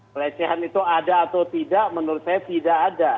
pelecehan itu ada atau tidak menurut saya tidak ada